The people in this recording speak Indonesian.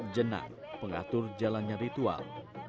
jenak pengatur jalannya ritual